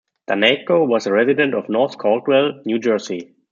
Daneyko was a resident of North Caldwell, New Jersey.